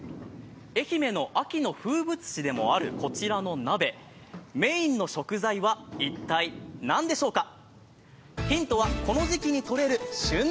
愛媛の秋の風物詩でもあるこちらの鍋メインの食材は一体何でしょうか？